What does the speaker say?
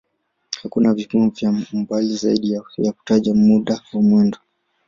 Hakuna vipimo vya umbali zaidi ya kutaja muda wa mwendo.